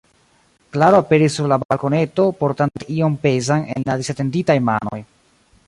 Klaro aperis sur la balkoneto, portante ion pezan en la disetenditaj manoj.